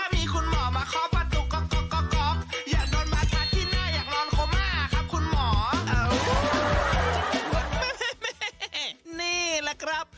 นี่แล้วกันครับ